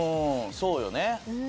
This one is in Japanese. そうよね。